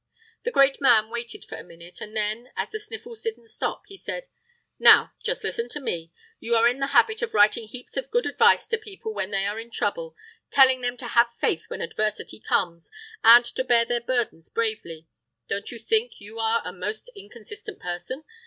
The great man waited for a minute, and then, as the sniffles didn't stop, he said— "Now just listen to me. You are in the habit of writing heaps of good advice to people when they are in trouble—telling them to have faith when adversity comes, and to bear their burdens bravely. Don't you think you are a most inconsistent person?